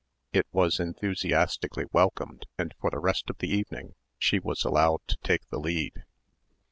It was enthusiastically welcomed and for the rest of the evening she was allowed to take the lead.